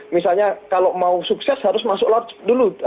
misalnya kalau mau sukses harus masuk laut dulu